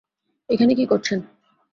এখানে কী করছেন?